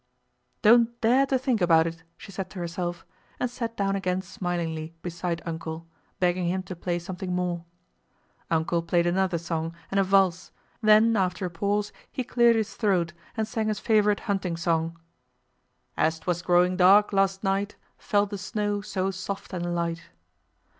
"Don't dare to think about it," she said to herself, and sat down again smilingly beside "Uncle," begging him to play something more. "Uncle" played another song and a valse; then after a pause he cleared his throat and sang his favorite hunting song: As 'twas growing dark last night Fell the snow so soft and light...